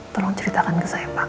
tolong ceritakan ke saya bang